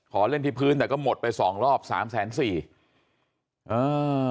เล่นที่พื้นแต่ก็หมดไปสองรอบสามแสนสี่เออ